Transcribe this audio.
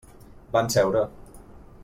Van seure.